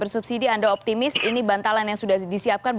bersubsidi anda optimis ini bantalan yang sudah disiapkan